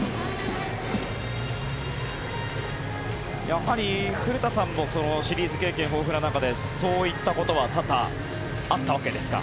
やはり古田さんもシリーズ経験豊富な中でそういったことは多々あったわけですか？